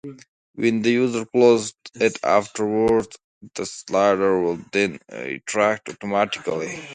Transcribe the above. When the user closed it afterwards, the sliders would then retract automatically.